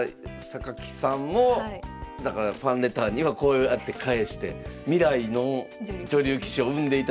さんもだからファンレターにはこうやって返して未来の女流棋士を生んでいただきたいなと思います。